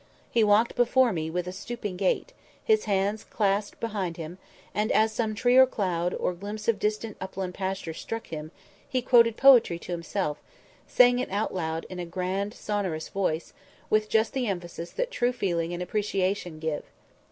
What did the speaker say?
He walked before me with a stooping gait, his hands clasped behind him; and, as some tree or cloud, or glimpse of distant upland pastures, struck him, he quoted poetry to himself, saying it out loud in a grand sonorous voice, with just the emphasis that true feeling and appreciation give.